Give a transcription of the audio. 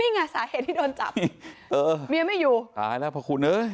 นี่ไงสาเหตุที่โดนจับเออเมียไม่อยู่ตายแล้วพระคุณเอ้ย